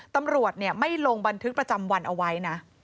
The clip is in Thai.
ตำรวจไม่ลงบันทึกประจำวันเอาไว้นะ